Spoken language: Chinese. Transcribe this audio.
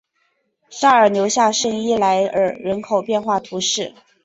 沙尔留下圣伊莱尔人口变化图示